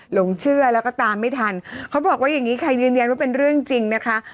หลงเชื่อแล้วก็ตามไม่ทันเขาบอกว่าอย่างนี้ค่ะยืนยันว่าเป็นเรื่องจริงนะคะ